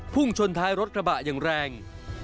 ชนท้ายรถกระบะอย่างแรง